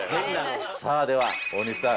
さあでは、大西さん。